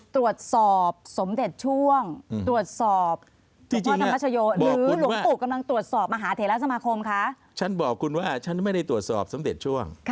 ที่บอกคุณว่าชั้นไม่ได้ตรวจสอบซ้ำเดชช่วง